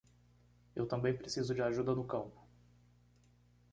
Eu também preciso de ajuda no campo.